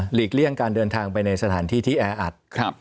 เลี่ยงการเดินทางไปในสถานที่ที่แออัด